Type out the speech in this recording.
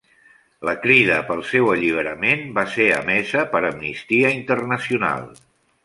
La crida pel seu alliberament va ser emesa per Amnistia Internacional.